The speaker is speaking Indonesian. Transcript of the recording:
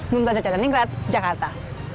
bumta cacateningrat jakarta